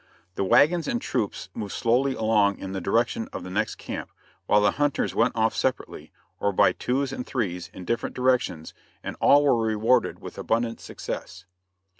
The wagons and troops moved slowly along in the direction of the next camp, while the hunters went off separately, or by twos and threes, in different directions, and all were rewarded with abundant success.